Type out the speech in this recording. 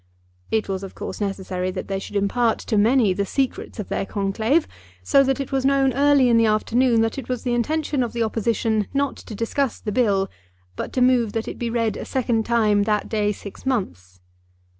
It was of course necessary that they should impart to many the secrets of their conclave, so that it was known early in the afternoon that it was the intention of the Opposition not to discuss the Bill, but to move that it be read a second time that day six months.